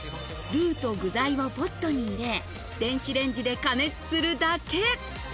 ルーと具材をポットに入れ、電子レンジで加熱するだけ。